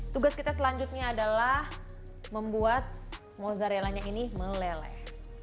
tugas kita selanjutnya adalah membuat mozarellanya ini meleleh